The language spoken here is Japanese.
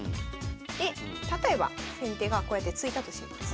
で例えば先手がこうやって突いたとします。